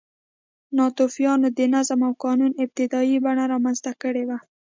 ناتوفیانو د نظم او قانون ابتدايي بڼه رامنځته کړې وه.